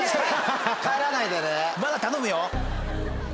まだ頼むよ！